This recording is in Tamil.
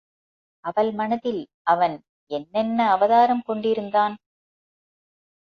அவள் மனத்தில் அவன் என்னென்ன அவதாரம் கொண்டிருந்தான்?